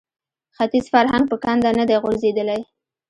ختیز فرهنګ په کنده نه دی غورځېدلی